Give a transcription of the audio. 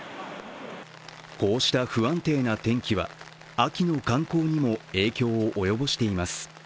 こうした不安定な天気は秋の観光にも影響を及ぼしています。